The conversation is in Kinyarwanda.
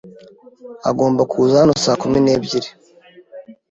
Agomba kuza hano saa kumi n'ebyiri.